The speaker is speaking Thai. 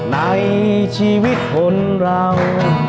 ในชีวิตคนเรา